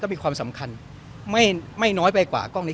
มีใครไปดึงปั๊กหรือว่า